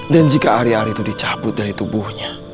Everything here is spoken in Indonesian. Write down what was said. dan jika hari hari itu dicabut dari tubuhnya